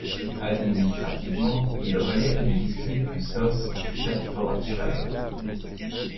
Administrativement, il relève du district du South Staffordshire.